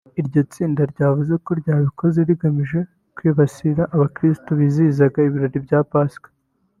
Iryo tsinda ryavuze ko ryabikoze rigamije kwibasira abakirisitu bizihizaga ibirori bya Pasika